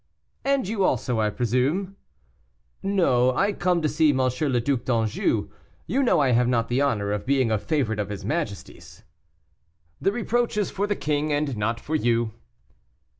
"And you also, I presume?" "No; I come to see M. le Duc d'Anjou. You know I have not the honor of being a favorite of his majesty's." "The reproach is for the king, and not for you."